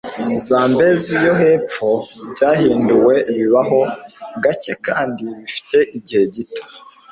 zambezi yo hepfo byahinduwe, bibaho gake kandi bifite igihe gito